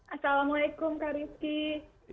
assalamualaikum kak rizky